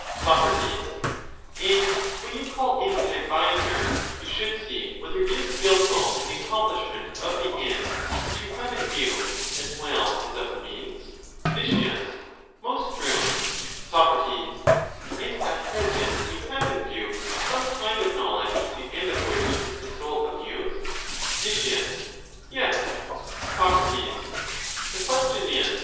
Soc, And when you call in an adviser, you should see whether he is skilful in the accomplishment of the end which you have in view, as well as of the means? Nic, Most true. Soc, And at present we have in view some kind of knowledge, the end of which is the soul of youth? Nic, Yes. Soc, The question is.